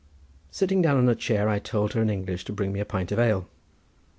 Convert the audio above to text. Sitting down on a chair I told her in English to bring me a pint of ale.